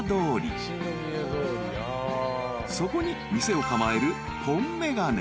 ［そこに店を構える］